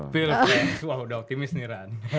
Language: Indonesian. pilpres wah udah optimis nih rani